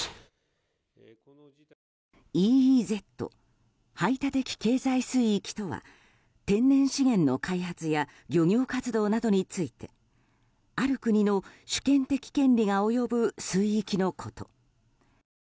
ＥＥＺ・排他的経済水域とは天然資源の開発や漁業活動などについてある国の主権的権利が及ぶ水域のこと。